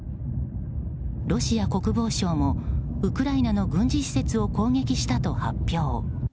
ロシア国防相もウクライナの軍事施設を攻撃したと発表。